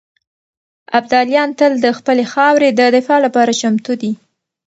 ابداليان تل د خپلې خاورې د دفاع لپاره چمتو دي.